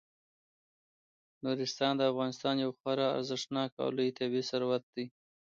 نورستان د افغانستان یو خورا ارزښتناک او لوی طبعي ثروت دی.